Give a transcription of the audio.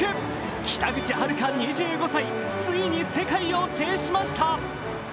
北口榛花２５歳、ついに世界を制しました。